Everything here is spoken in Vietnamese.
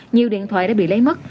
nhiều điện thoại đã bị lấy mất